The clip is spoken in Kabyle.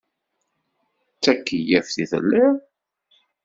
D takeyyaft i telliḍ?